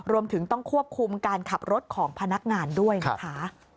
รวมถึงต้องควบคุมการขับรถของพนักงานด้วยนะคะ